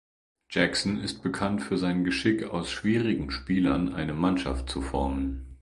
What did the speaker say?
Jackson ist bekannt für sein Geschick, aus „schwierigen“ Spielern eine Mannschaft zu formen.